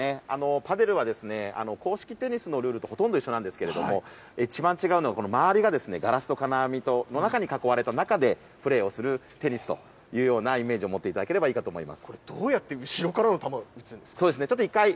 パデルは硬式テニスのルールとほとんど一緒なんですけれども、一番違うのは周りがガラスと鏡に囲われた中でプレーをするテニスというようなイメージを持っていただければと思います。